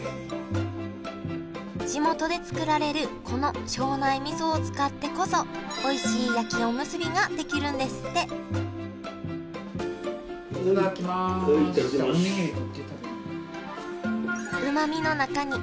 地元で作られるこの庄内みそを使ってこそおいしい焼きおむすびが出来るんですっておにぎり取って食べる。